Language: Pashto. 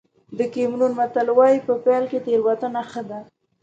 د کېمرون متل وایي په پيل کې تېروتنه ښه ده.